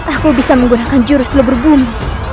aku bisa menggunakan jurus lebur bumi